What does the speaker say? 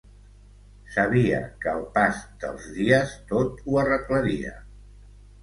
Sabia que el pas dels dies tot ho arreglaria.